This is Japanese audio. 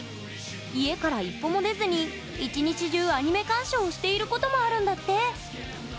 家から一歩も出ずに、一日中アニメ鑑賞をしていることもあるんだって。